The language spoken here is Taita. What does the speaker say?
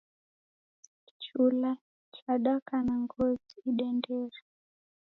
Kichula chadaka na ngozi idendere